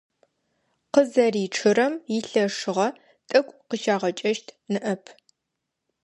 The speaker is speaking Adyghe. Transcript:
Къызэричъырэм илъэшыгъэ тӀэкӀу къыщагъэкӀэщт ныӀэп.